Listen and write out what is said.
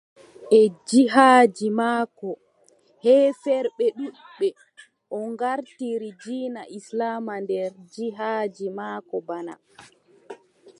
E jihaadi maako, heeferɓe ɗuuɗɓe o ngartiri diina islaama nder jihaadi maako bana.